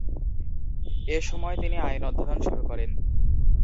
এ সময় তিনি আইন অধ্যয়ন শুরু করেন।